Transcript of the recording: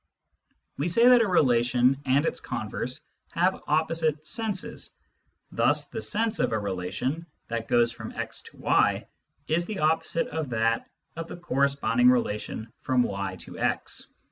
We say that a relation and its converse have opposite " senses "; thus the " sense " of a relation that goes from x to y is the opposite of that of the corresponding relation from y to x.